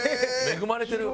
恵まれてる。